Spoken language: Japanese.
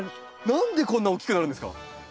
何でこんな大きくなるんですか？